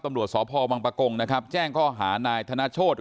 ตำรวจสพบังปะกงนะครับแจ้งข้อหานายธนโชธ